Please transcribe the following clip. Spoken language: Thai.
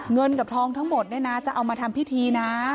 เงินกับทองทั้งหมดเนี่ยนะจะเอามาทำพิธีนะ